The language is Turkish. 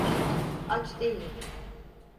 Aç değilim.